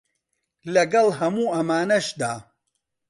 لەگەڵ هەموو ئەمانەشدا